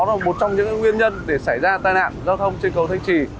đó là một trong những nguyên nhân để xảy ra tai nạn giao thông trên cầu thanh trì